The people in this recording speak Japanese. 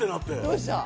どうした？